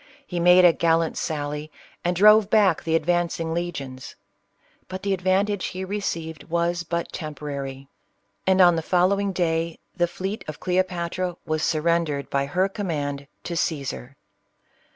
He made a gallant sally, and drove back the advancing legions. But the advantage he achieved was but temporary, and on the following day the fleet of Cleopatra was surrendered by her command to Caesar.